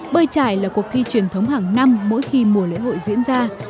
bơi trải là cuộc thi truyền thống hàng năm mỗi khi mùa lễ hội diễn ra